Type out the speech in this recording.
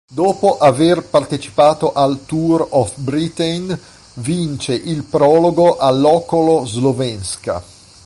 Dopo aver partecipato al Tour of Britain, vince il prologo all'Okolo Slovenska.